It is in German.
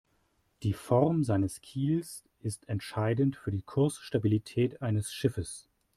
Die Form seines Kiels ist entscheidend für die Kursstabilität eines Schiffes.